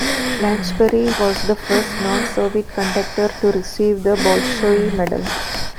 Lanchbery was the first non-Soviet conductor to receive the Bolshoi Medal.